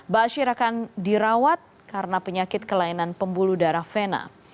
bashir akan dirawat karena penyakit kelainan pembuluh darah vena